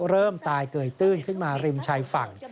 เริ่มตายเกยตื้นขึ้นมาริมชายฝั่ง